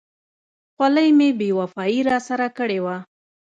خولۍ مې بې وفایي را سره کړې وه.